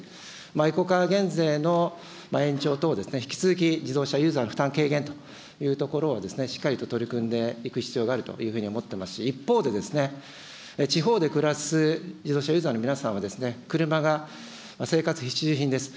エコカー減税の延長等、引き続き自動車ユーザーの負担軽減というところは、しっかり取り組んでいく必要があると思っておりますし、一方で、地方で暮らす自動車ユーザーの皆さんは、車が生活必需品です。